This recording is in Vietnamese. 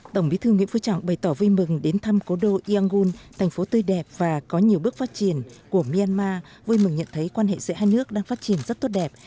tổng bí thư nguyễn phú trọng bày tỏ vui mừng đến thăm cố đô yangun thành phố tươi đẹp và có nhiều bước phát triển của myanmar vui mừng nhận thấy quan hệ giữa hai nước đang phát triển rất tốt đẹp